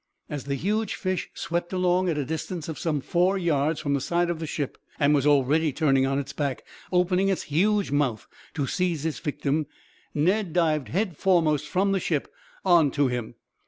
As the huge fish swept along, at a distance of some four yards from the side of the ship, and was already turning on its back, opening its huge mouth to seize its victim, Ned dived head foremost from the ship onto him.